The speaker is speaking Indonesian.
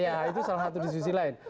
ya itu salah satu disusi lain